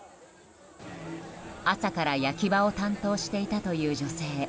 朝から焼き場を担当していたという女性。